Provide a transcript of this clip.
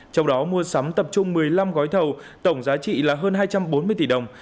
trong đó mua sắm tập trung một mươi năm gói thầu tổng giá trị là hơn hai trăm bốn mươi tỷ đồng